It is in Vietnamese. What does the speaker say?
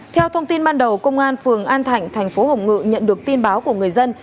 theo thông tin ban đầu công an phường an thạnh thành phố hồng ngự nhận được tin báo của người dân